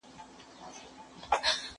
مېوې د مور له خوا راټولې کيږي،